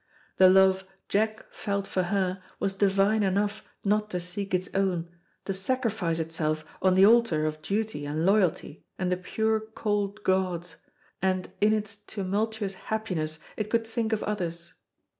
The love Jack felt for her was divine enough not to seek its own, to sacrifice itself on the altar of duty and loyalty and the pure cold gods, and in its tumultuous happiness it could think of others.